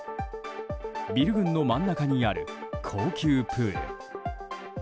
ビル群の真ん中にある高級プール。